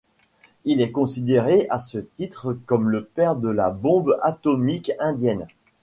Il est considéré à ce titre comme le père de la bombe atomique indienne.